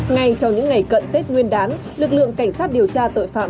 ngay trong những ngày cận tết nguyên đán lực lượng cảnh sát điều tra tội phạm